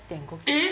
えっ！